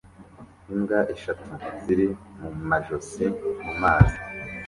Imbwa eshatu ziri mumajosi mumazi